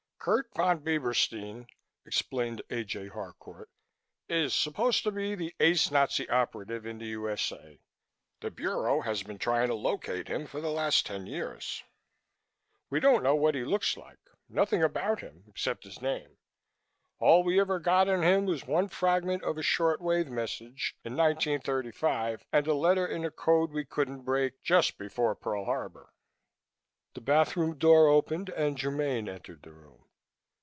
"Kurt Von Bieberstein," explained A. J. Harcourt, "is supposed to be the ace Nazi Operative in the U.S.A. The Bureau has been trying to locate him for the last ten years. We don't know what he looks like, nothing about him, except his name. All we ever got on him was one fragment of a short wave message in 1935 and a letter in a code we couldn't break, just before Pearl Harbor." The bathroom door opened and Germaine entered the room.